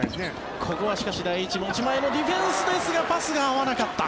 ここは持ち前のディフェンスですがパスが合わなかった。